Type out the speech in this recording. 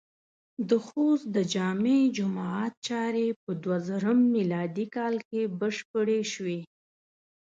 د خوست د جامع جماعت چارې په دوهزرم م کال کې بشپړې شوې.